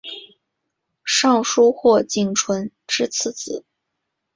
尚书瞿景淳之次子。